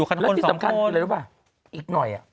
แล้วที่สำคัญคืออะไรรู้ป่ะอีกหน่อย